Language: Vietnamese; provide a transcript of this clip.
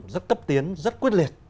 rất cấp tiến rất quyết liệt